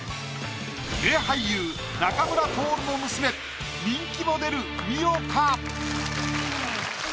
名俳優仲村トオルの娘人気モデル美緒か？